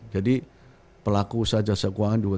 jadi pelaku jasa sekuangan juga